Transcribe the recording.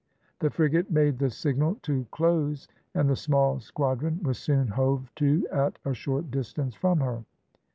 The frigate made the signal to close, and the small squadron was soon hove to at a short distance from her.